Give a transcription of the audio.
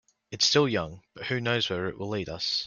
It's still young, but who knows where it will lead us.